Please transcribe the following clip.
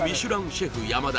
シェフ・山田